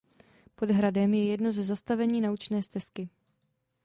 Pod hradem je jedno ze zastavení naučné stezky.